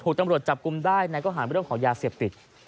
ถูกตำรวจจับกลุ่มได้ในก็หาเรื่องของยาเสียบติด